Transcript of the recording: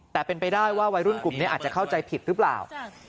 แต่เป็นไปได้ว่าวัยรุ่นกลุ่มนี้อาจจะเข้าใจผิดหรือเปล่า